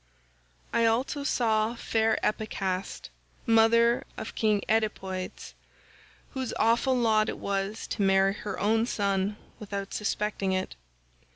"I also saw fair Epicaste mother of king Oedipodes whose awful lot it was to marry her own son without suspecting it.